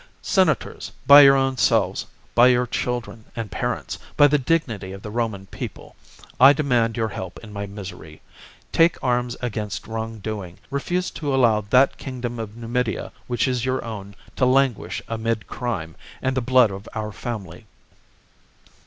"Senators, by your own selves, by your children and parents, by the dignity of the Roman people, I demand your help in my misery. Take arms against wrong doing, refuse to allow that kingdom of Numidia, which is your own, to languish amid crime, and the blood of our family."